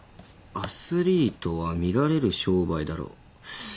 「アスリートは見られる商売だろ」